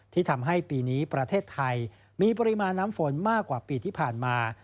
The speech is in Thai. ที่ทำให้ปีนี้ประเทศไทยมีปริมาณน้ำฝนมากกว่าปีที่ผ่านมา